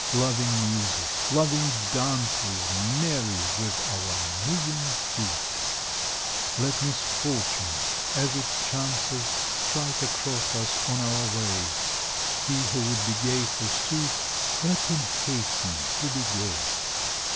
Loving music, loving dances. Merry with our moving feet ! Let misfortune as it chances Strike across us on our way : He who would be gay, forsooth, Let him hasten to be gay.